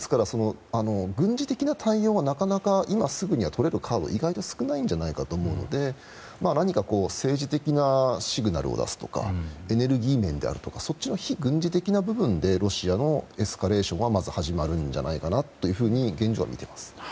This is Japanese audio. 軍事的な対応はなかなか今すぐ取れるカードは少ないと思うので何か政治的なシグナルを出すとかエネルギー面であるとかそっちの非軍事的な部分でロシアのエスカレーションは始まるんじゃないかと現状は見ています。